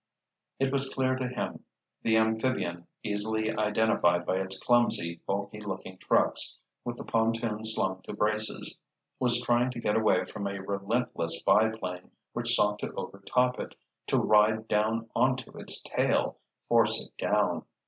It was clear to him. The amphibian, easily identified by its clumsy, bulky looking trucks, with the pontoons slung to braces, was trying to get away from a relentless biplane which sought to overtop it, to ride down onto its tail, force it down.